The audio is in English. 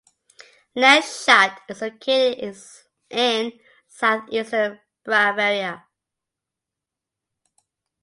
Landshut is located in southeastern Bavaria.